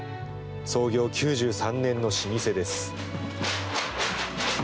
創業９３年の老舗です。